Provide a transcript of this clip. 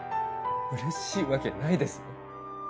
うれしいわけないです。